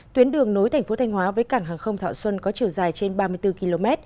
tuyến đường nối thành phố thanh hóa với cảng hàng không thọ xuân có chiều dài trên ba mươi bốn km